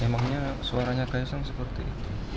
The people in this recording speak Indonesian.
memangnya suaranya gaisang seperti itu